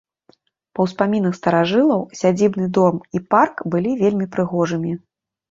Па ўспамінах старажылаў сядзібны дом і парк былі вельмі прыгожымі.